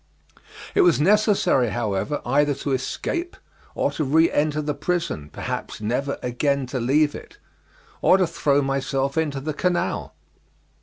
It was necessary, however, either to escape, or to reenter the prison, perhaps never again to leave it, or to throw myself into the canal.